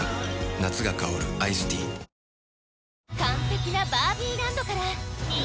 夏が香るアイスティーおや？